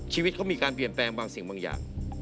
ชีวิตเขามีการเปลี่ยนแปลงบางสิ่งบางอย่าง